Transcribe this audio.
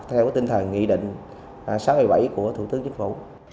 theo tinh thần nghị định sáu mươi bảy của thủ tướng chính phủ